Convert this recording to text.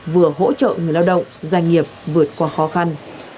vừa hỗ trợ người lao động doanh nghiệp vượt qua khó khăn